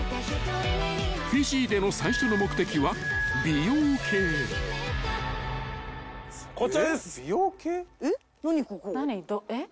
［フィジーでの最初の目的は美容系］えっ？